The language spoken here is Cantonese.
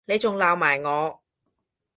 你仲鬧埋我